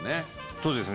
そうですね。